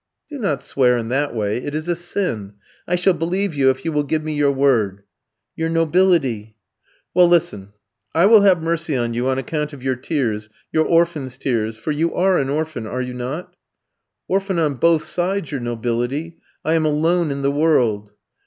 "Do not swear in that way, it is a sin; I shall believe you if you will give me your word." "Your nobility." "Well, listen, I will have mercy on you on account of your tears, your orphan's tears, for you are an orphan, are you not?" "Orphan on both sides, your nobility, I am alone in the world."